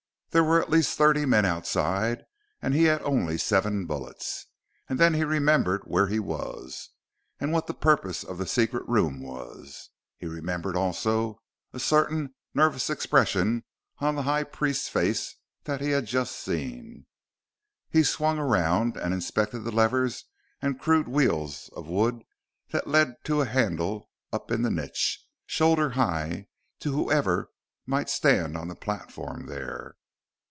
There were at least thirty men outside, and he had only seven bullets. And then he remembered where he was, and what the purpose of the secret room was. He remembered, also, a certain nervous expression on the High Priest's face that he had just seen.... He swung around and inspected the levers and crude wheels of wood that led to a handle up in the niche, shoulder high to whoever might stand on the platform there.